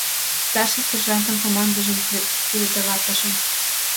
Старший сержантын командыжым передаватлышым.